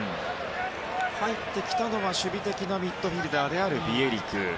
入ってきたのは守備的ミッドフィールダーであるビエリク。